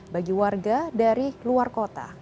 bagi warga dari luar kota